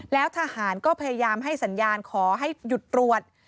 แล้วทหารก็พยายามให้สัญญาณขอให้หยุดตรวจ